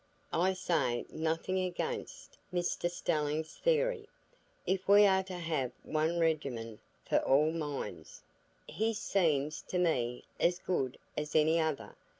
I say nothing against Mr Stelling's theory; if we are to have one regimen for all minds, his seems to me as good as any other.